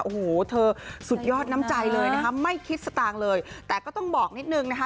โอ้โหเธอสุดยอดน้ำใจเลยนะคะไม่คิดสตางค์เลยแต่ก็ต้องบอกนิดนึงนะคะ